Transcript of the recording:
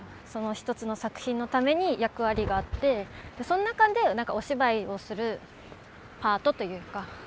その一つの作品のために役割があってその中でお芝居をするパートというか。